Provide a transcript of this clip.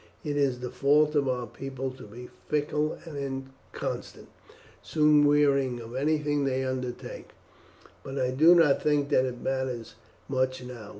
It is the fault of our people to be fickle and inconstant, soon wearying of anything they undertake; but I do not think that it matters much now.